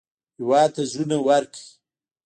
هېواد ته زړونه ورکړئ